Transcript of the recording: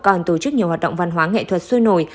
còn tổ chức nhiều hoạt động văn hóa nghệ thuật sôi nổi